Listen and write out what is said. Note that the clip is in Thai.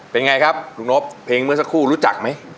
เป็นไงครับลุงนบเพลงเมื่อสักครู่รู้จักไหม